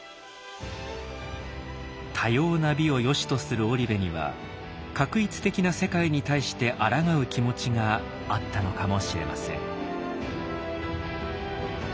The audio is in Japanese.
多様な美をよしとする織部には画一的な世界に対してあらがう気持ちがあったのかもしれません。